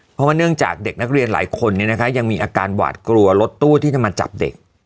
เพราะว่าเนื่องจากเด็กนักเรียนหลายคนยังมีอาการหวาดกลัวรถตู้ที่จะมาจับเด็ก